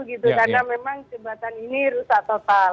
karena memang jembatan ini rusak total